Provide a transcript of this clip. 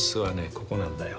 ここなんだよ。